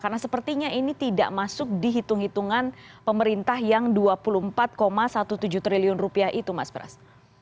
karena sepertinya ini tidak masuk di hitung hitungan pemerintah yang rp dua puluh empat tujuh belas triliun itu mas pras